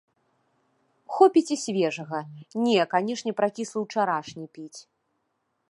Хопіць і свежага, не канечне пракіслы ўчарашні піць.